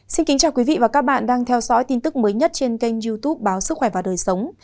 xin kính chào quý vị và các bạn đang theo dõi tin tức mới nhất trên kênh youtube báo sức khỏe và đời sống